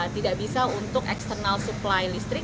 tidak bisa untuk eksternal supply listrik